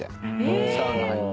サウナ入って。